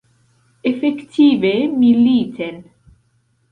Efektive militen.